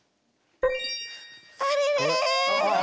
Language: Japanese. あれれ。